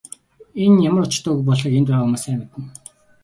Энэ ямар учиртай үг болохыг энд байгаа хүмүүс сайн мэднэ.